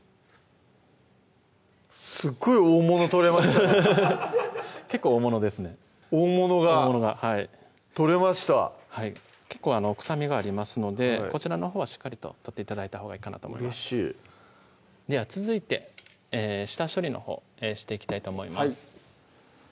すっごい大物取れました結構大物ですね大物が取れました結構臭みがありますのでこちらのほうはしっかりと取って頂いたほうがいいかなと思いますでは続いて下処理のほうしていきたいと思います